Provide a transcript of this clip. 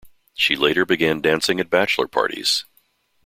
She later began dancing at bachelor parties.